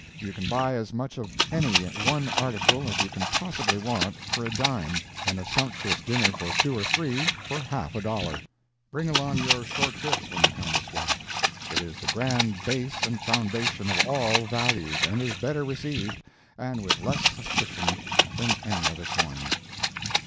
You can buy as much of any one article as you can possibly want for a dime, and a sumptuous dinner for two or three for half a dollar. Bring along your short bits when you come this way. It is the grand base and foundation of all values, and is better received, and with less suspicion, than any other coin.